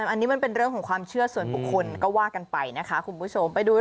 อันนี้มันเป็นเรื่องของความเชื่อส่วนบุคคลก็ว่ากันไปนะคะคุณผู้ชมไปดู